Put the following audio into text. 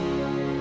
gak tahu kok